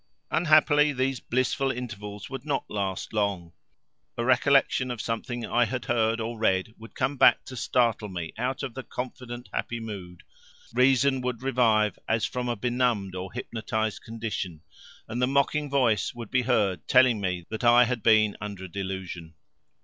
Unhappily, these blissful intervals would not last long. A recollection of something I had heard or read would come back to startle me out of the confident happy mood; reason would revive as from a benumbed or hypnotized condition, and the mocking voice would be heard telling me that I had been under a delusion.